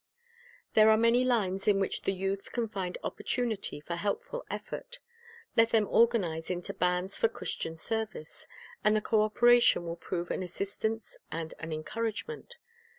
There are many lines in which the youth can find opportunity for helpful effort. Let them organize into bands for Christian service, and the co operation will prove an assistance and an encouragement.